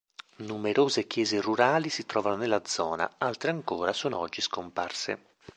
Numerose chiese rurali si trovano nella zona, altre ancora sono oggi scomparse.